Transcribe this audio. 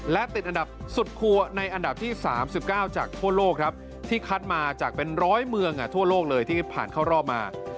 และติดอันดับสุดครัวในอันดับที่๓๙จากทั่วโลกครับที่คัดมาจากเป็นร้อยเมืองทั่วโลกเลยที่ผ่านเข้ารอบมา